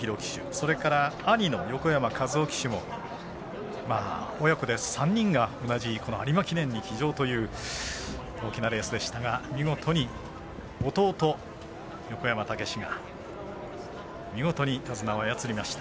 それから兄の横山和生騎手も親子で３人の同じ有馬記念に騎乗という大きなレースでしたが見事に弟横山武史が見事に手綱を操りました。